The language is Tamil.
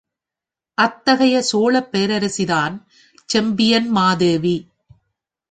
அத்தகைய சோழப் பேரரசிதான் செம்பியன்மாதேவி.